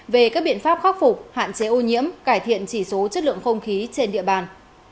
về các biện pháp khắc phục hạn chế ô nhiễm cải thiện chỉ số chất lượng không khí trên địa bàn